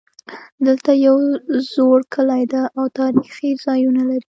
دلته یو زوړ کلی ده او تاریخي ځایونه لري